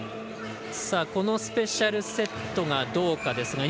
このスペシャルセットがどうか。